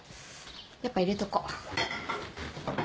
やっぱ入れとこ。